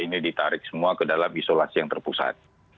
ini ditarik semua ke dalam isolasi yang terpusat